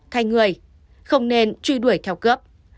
thay người không nên truy đuổi theo cướp